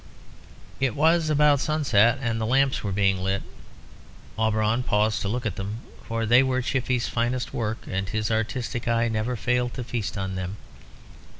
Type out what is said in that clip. It was about sunset, and the lamps were being lit. Auberon paused to look at them, for they were Chiffy's finest work, and his artistic eye never failed to feast on them.